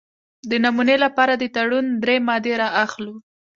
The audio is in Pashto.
د نمونې لپاره د تړون درې مادې را اخلو.